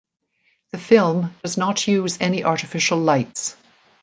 The film does not use any artificial lights.